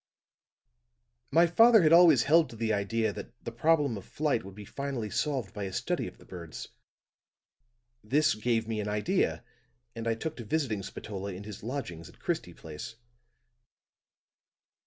My father had always held to the idea that the problem of flight would be finally solved by a study of the birds; this gave me an idea, and I took to visiting Spatola in his lodgings in Christie Place.